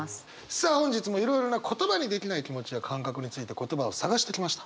さあ本日もいろいろな言葉にできない気持ちや感覚について言葉を探してきました。